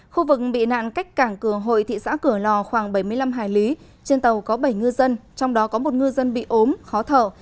khu vực bị nạn cách cảng cửa hội thị xã cửa lò khoảng bảy mươi năm hải lý trên tàu có bảy ngư dân trong đó có một ngư dân bị ốm khó thở